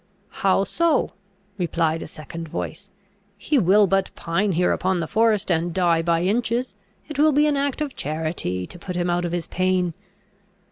"How so?" replied a second voice; "he will but pine here upon the forest, and die by inches: it will be an act of charity to put him out of his pain."